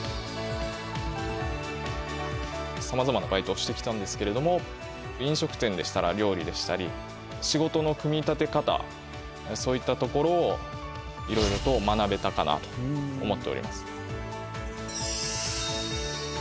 さまざまなバイトをしてきたんですけれども飲食店でしたら料理でしたり仕事の組み立て方そういったところをいろいろと学べたかなと思っております。